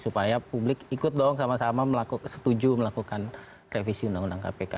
supaya publik ikut dong sama sama setuju melakukan revisi undang undang kpk